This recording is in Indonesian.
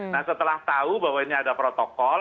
nah setelah tahu bahwa ini ada protokol